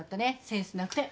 センスなくて。